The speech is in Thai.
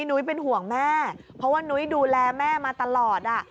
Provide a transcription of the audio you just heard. นุ้ยเป็นห่วงแม่เพราะว่านุ้ยดูแลแม่มาตลอด